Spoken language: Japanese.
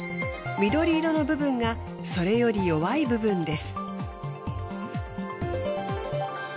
緑色の部分がそれより弱い部分です。